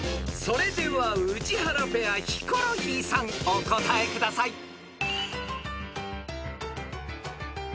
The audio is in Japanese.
［それでは宇治原ペアヒコロヒーさんお答えください］